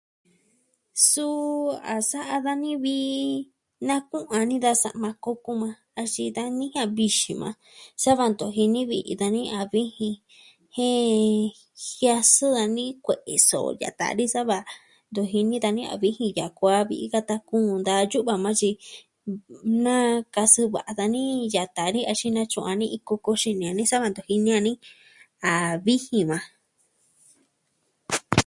Suu a sa'a dani vi... naku'un dani da sa'ma kokun yukuan axin da nijian vixin yukuan. Sa va ntu jini vi'i iin dani a vijin. Jen... Jiasɨ dani kue'e soo yata dani sa va ntu jini dani a vijin yakuaa vi'i ka sa kuun da yu'va yukuan tyi. Nakasɨ va'a dani yata dani axin natyu'un dani iin koko xini dani sa va ntu jini dani a vijin yukuan.